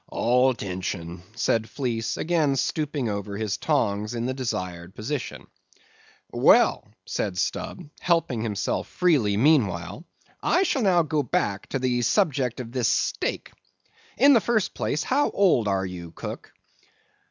"All dention," said Fleece, again stooping over upon his tongs in the desired position. "Well," said Stubb, helping himself freely meanwhile; "I shall now go back to the subject of this steak. In the first place, how old are you, cook?"